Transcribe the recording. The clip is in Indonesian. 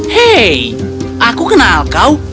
hei aku kenal kau